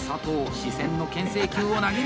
視線のけん制球を投げる！